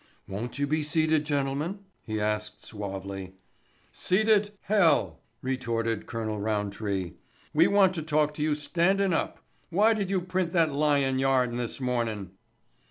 "Won't you be seated, gentlemen?" he asked suavely. "Seated! Hell!" retorted Colonel Roundtree. "We want to talk to you standin' up. Why did you print that lyin' yarn this mornin'?"